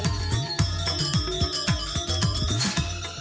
ini dia adonan yang telah disediakan